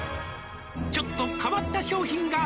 「ちょっと変わった商品が」